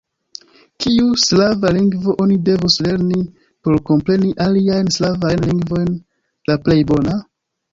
Kiu slava lingvo oni devus lerni por kompreni aliajn slavajn lingvojn la plej bona?